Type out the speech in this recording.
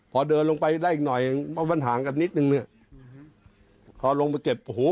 พอเดินลงไปได้อีกหน่อยเพราะมันห่างกันนิดนึงเนี่ยพอลงไปเก็บโอ้โห